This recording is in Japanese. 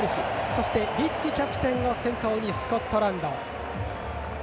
そしてリッチキャプテンを先頭にスコットランド。